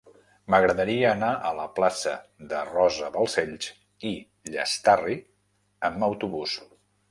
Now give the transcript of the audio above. M'agradaria anar a la plaça de Rosa Balcells i Llastarry amb autobús.